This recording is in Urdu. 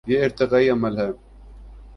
یہ ارتقائی عمل ہے۔